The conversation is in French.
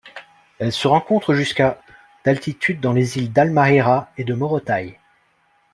Elle se rencontre jusqu'à d'altitude dans les îles d'Halmahera et de Morotai.